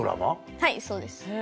はいそうです。